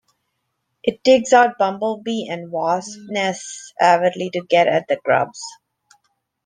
It digs out bumble bee and wasp nests avidly to get at the grubs.